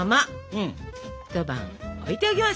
うん？